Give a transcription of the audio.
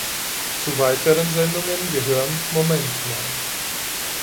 Zu weiteren Sendungen gehören "Moment mal!